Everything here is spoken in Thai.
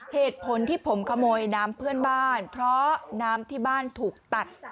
เหตุผลที่ผมขโมยน้ำเพื่อนบ้านเพราะน้ำที่บ้านถูกตัด